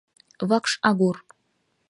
ВАКШ АГУР